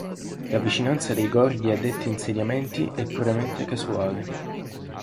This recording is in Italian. La vicinanza dei gorghi a detti insediamenti è puramente casuale.